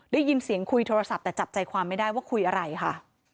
ได้ยินเสียงคุยโทรศัพท์แต่จับใจความไม่ได้ว่าคุยอะไรค่ะ